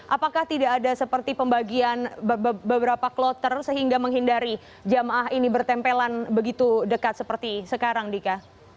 apakah tidak ada seperti pembagian beberapa kloter sehingga menghindari jamaah ini bertempelan begitu dekat seperti sekarang dika